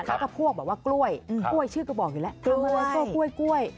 แล้วก็พวกแบบว่ากล้วยกล้วยชื่อก็บอกอยู่แล้วขโมยก็กล้วย